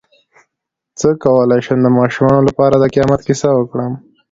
څ�ه کولی شم د ماشومانو لپاره د قیامت کیسه وکړم